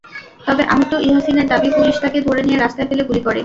তবে আহত ইয়াছিনের দাবি, পুলিশ তাঁকে ধরে নিয়ে রাস্তায় ফেলে গুলি করে।